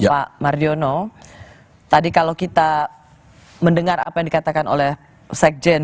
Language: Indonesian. pak mardiono tadi kalau kita mendengar apa yang dikatakan oleh sekjen